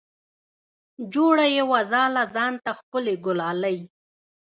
جوړه یې وه ځاله ځان ته ښکلې ګلالۍ